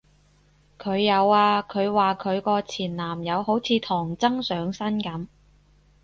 佢有啊，佢話佢個前男友好似唐僧上身噉